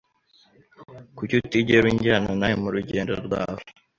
Kuki utigera unjyana nawe murugendo rwawe?